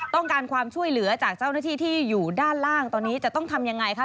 ต้องการความช่วยเหลือจากเจ้าหน้าที่ที่อยู่ด้านล่างตอนนี้จะต้องทำยังไงคะ